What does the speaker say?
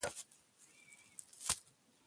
که نجونې سفر وکړي نو دید به نه وي محدود.